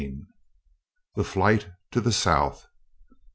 THE FLIGHT TO THE SOUTH.